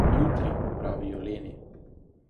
Jutri, pravijo leni.